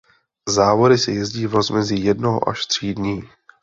Závody se jezdí v rozmezí jednoho až tří dní.